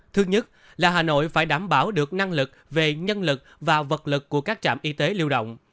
thứ nhất là hà nội phải đảm bảo được năng lực về nhân lực và vật lực của các trạm y tế lưu động